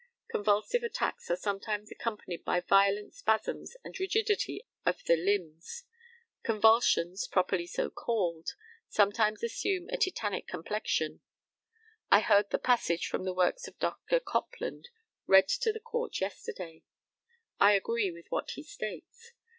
Convulsive attacks are sometimes accompanied by violent spasms and rigidity of the limbs. Convulsions, properly so called, sometimes assume a tetanic complexion. I heard the passage from the works of Dr. Copland read to the Court yesterday. I agree with what he states.